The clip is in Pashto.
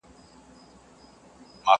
تر کارګه یې په سل ځله حال بتر دی؛